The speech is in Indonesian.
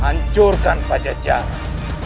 hancurkan pajak jarak